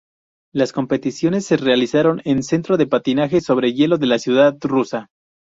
Las competiciones se realizaron en Centro de Patinaje sobre Hielo de la ciudad rusa.